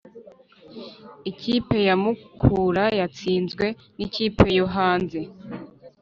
Ikipe ya mukura yatsinzwe nikipe yohanze